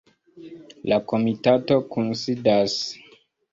La komitato kunsidas.